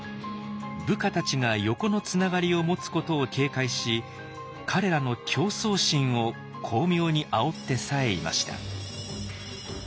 部下たちが横のつながりを持つことを警戒し彼らの競争心を巧妙にあおってさえいました。